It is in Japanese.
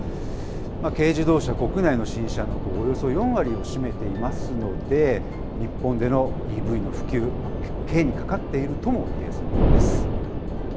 軽自動車、国内の新車のおよそ４割を占めていますので、日本でのＥＶの普及、軽にかかっているともいえそうです。